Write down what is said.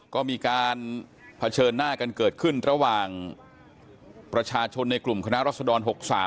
ก็มีการเผชิญหน้ากันเกิดขึ้นระหว่างประชาชนในกลุ่มคณะรัศดร๖๓